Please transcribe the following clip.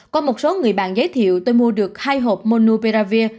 có một số người bạn giới thiệu tôi mua được hai hộp monuperavir